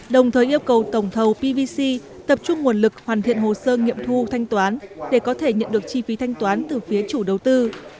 đồng thời yêu cầu tổng thầu pvc tập trung nguồn lực hoàn thiện hồ sơ nghiệm thu thanh toán để có thể nhận được chi phí thanh toán từ phía chủ đầu tư